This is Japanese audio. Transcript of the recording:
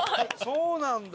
そうなんだ。